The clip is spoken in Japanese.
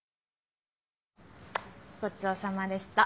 ごちそうさまでした。